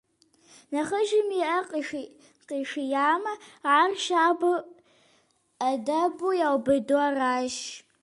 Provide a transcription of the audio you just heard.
Нэхъыжьым и Ӏэр къишиямэ, ар щабэу Ӏэдэбу яубыду аращ.